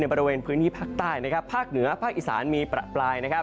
ในบริเวณพื้นที่ภาคใต้ภาคเหนือภาคอิสานมีปลาปลาย